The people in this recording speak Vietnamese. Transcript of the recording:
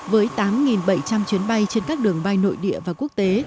với tám bảy trăm linh chuyến bay trên các đường bay nội địa và quốc tế